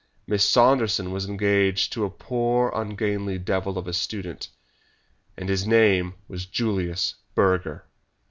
Miss Saunderson was engaged to a poor ungainly devil of a student, and his name was Julius Burger."